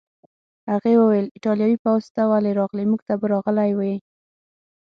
هغې وویل: ایټالوي پوځ ته ولې راغلې؟ موږ ته به راغلی وای.